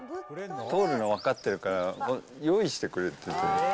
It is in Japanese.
通るの分かってるから、用意してくれてて。